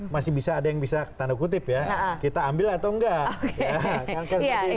masih bisa ada yang bisa tanda kutip ya kita ambil atau enggak